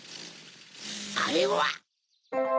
あれは！